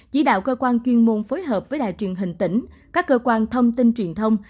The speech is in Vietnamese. chỉ đạo cơ quan chuyên môn phối hợp với đài truyền hình tỉnh các cơ quan thông tin truyền thông